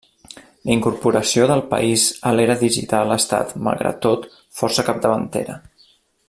La incorporació del país a l'era digital ha estat, malgrat tot, força capdavantera.